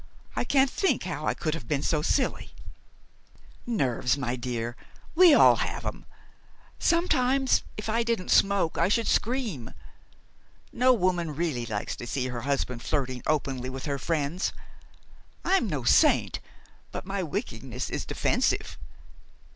I can't think how I could have been so silly " "Nerves, my dear. We all have 'em. Sometimes, if I didn't smoke I should scream. No woman really likes to see her husband flirting openly with her friends. I'm no saint; but my wickedness is defensive.